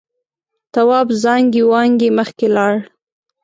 تواب زانگې وانگې مخکې لاړ.